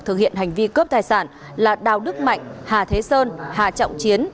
thực hiện hành vi cướp tài sản là đào đức mạnh hà thế sơn hà trọng chiến